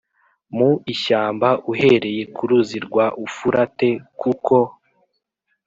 mu ishyamba uhereye ku ruzi rwa Ufurate kuko